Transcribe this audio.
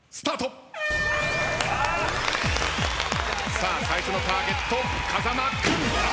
さあ最初のターゲット風間君。